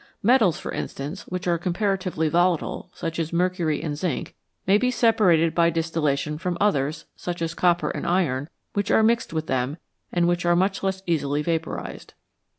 Metals, for instance, which are comparatively volatile, such as mercury and zinc, may be separated by distillation from others, such as copper and iron, which are mixed with them and which are much less easily vaporised.